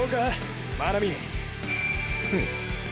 フッ。